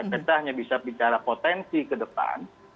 kita hanya bisa bicara potensi ke depan